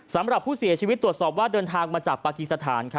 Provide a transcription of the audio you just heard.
สำหรับผู้เสียชีวิตตรวจสอบว่าเดินทางมาจากปากีสถาน